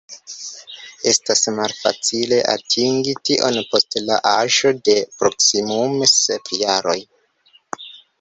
Estas malfacile atingi tion post la aĝo de proksimume sep jaroj.